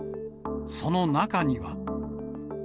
その中には。